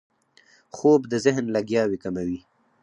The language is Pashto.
خوب د ذهن لګیاوي کموي